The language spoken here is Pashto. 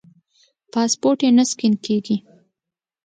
پاسپورټ یې نه سکېن کېږي.